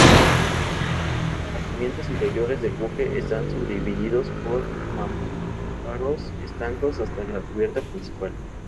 Los compartimentos interiores del buque están subdivididos por mamparos estancos, hasta la cubierta principal.